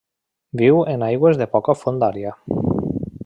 Viu en aigües de poca fondària.